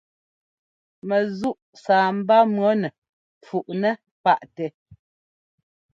Mɛzúʼ sâbá mʉ̈nɛ fuʼnɛ paʼtɛ.